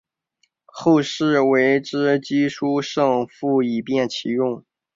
后世为之机抒胜复以便其用。